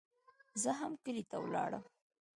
زه هم کلي ته ولاړم.